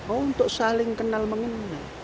untuk saling kenal mengenai